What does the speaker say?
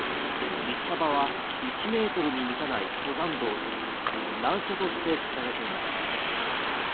道幅は１ｍに満たない登山道で難所として知られています。